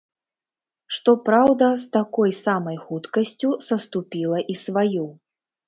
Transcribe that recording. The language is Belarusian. Што праўда, з такой самай хуткасцю саступіла і сваю.